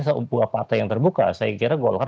sebuah partai yang terbuka saya kira golkar